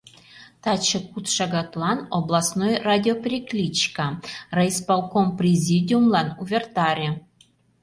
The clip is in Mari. Таче куд шагатлан областной радиоперекличка, райисполком президиумлан увертаре.